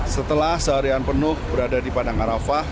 setelah seharian penuh berada di padang arafah